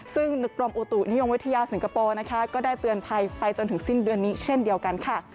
ซึ่งกรมอุตุนิยมวิทยาสิงคโปร์นะคะก็ได้เตือนภัยไปจนถึงสิ้นเดือนนี้เช่นเดียวกันค่ะ